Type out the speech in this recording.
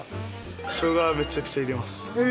しょうがはめちゃくちゃ入れます。